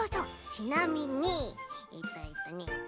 ちなみにえっとえっとね